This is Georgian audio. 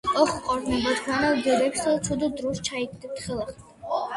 ოხ ყორნებო თქვენს დედებს ცუდ დროს ჩამიგდეთ ხელადა